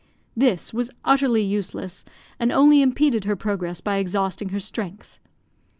This was utterly useless, and only impeded her progress by exhausting her strength.